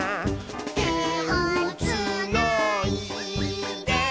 「てをつないで」